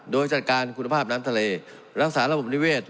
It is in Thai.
โดยจัดการคุณภาพน้ำทะเลรักษาระบบนิเวศ